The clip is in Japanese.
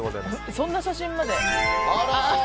そんな写真まで。